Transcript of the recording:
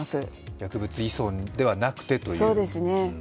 薬物依存ではなくてという。